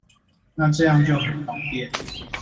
那這樣就很方便